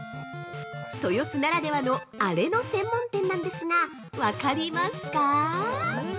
豊洲ならではのアレの専門店なんですが分かりますか？